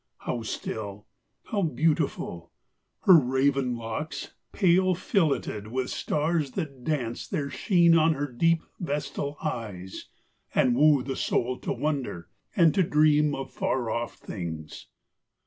How still! how beautiful! her raven locks Pale filleted with stars that dance their sheen On her deep, vestal eyes, and woo the soul To wonder, and to dream of far off things.